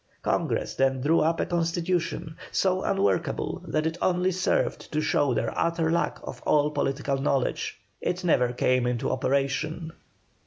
Congress then drew up a constitution, so unworkable that it only served to show their utter lack of all political knowledge. It never came into operation.